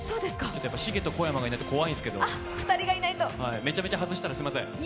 シゲと小山がいないと怖いんですけどめちゃめちゃ外したらすみません。